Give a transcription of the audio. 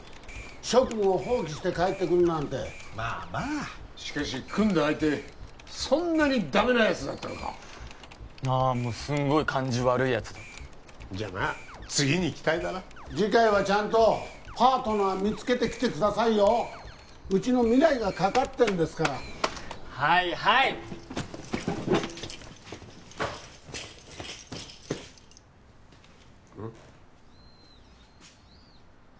職務を放棄して帰ってくるなんてまあまあしかし組んだ相手そんなにダメなやつだったのかああもうすんごい感じ悪いやつだったじゃまあ次に期待だな次回はちゃんとパートナー見つけてきてくださいようちの未来がかかってんですからはいはいうん？